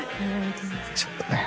ちょっとね。